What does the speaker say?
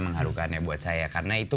mengharukannya buat saya karena itu